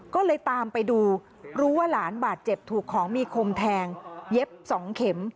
ก็เลยตามไปดูรู้ว่าหลานบาดเจ็บถูกของมีคมแทงเย็บ๒เข็ม